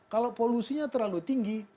kalau polusinya terlalu tinggi